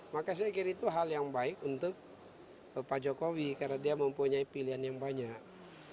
maka saya kira itu hal yang baik untuk pak jokowi karena dia mempunyai pilihan yang banyak